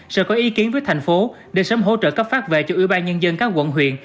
sẽ có ý kiến với thành phố để sớm hỗ trợ cấp phát về cho ủy ban nhân dân các quận huyện